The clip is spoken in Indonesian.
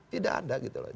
tidak ada gitu loh